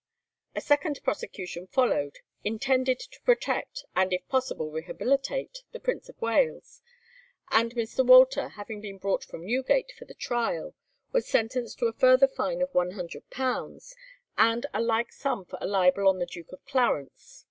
A second prosecution followed, intended to protect, and if possible rehabilitate, the Prince of Wales, and Mr. Walter, having been brought from Newgate for the trial, was sentenced to a further fine of £100, and a like sum for a libel on the Duke of Clarence.